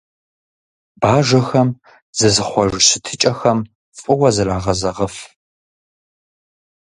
Бажэхэм зызыхъуэж щытыкӏэхэм фӀыуэ зрагъэзэгъыф.